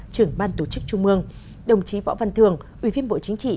trưởng ban tổ chức trung mương đồng chí võ văn thường ủy viên bộ chính trị